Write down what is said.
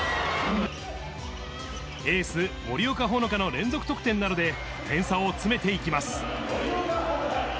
エース、森岡ほのかの連続得点などで、点差を詰めていきます。